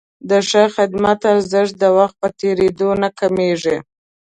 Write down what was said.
د ښه خدمت ارزښت د وخت په تېرېدو نه کمېږي.